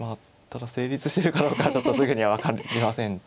ただ成立してるかどうかはちょっとすぐには分かりません。